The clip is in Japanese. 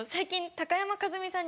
高山一実さんに？